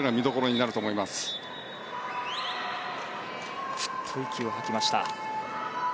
ふっと息を吐きました。